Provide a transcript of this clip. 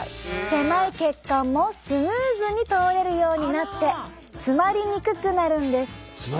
狭い血管もスムーズに通れるようになって詰まりにくくなるんです。